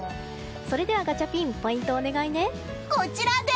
それではガチャピンポイントお願いね。